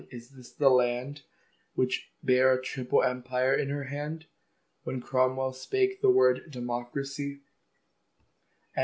is this the landWhich bare a triple empire in her handWhen Cromwell spake the word Democracy!